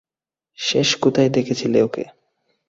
শেষ কোথায় দেখেছিলে ওকে?